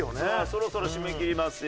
そろそろ締め切りますよ。